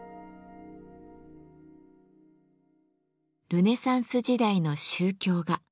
ルネサンス時代の宗教画。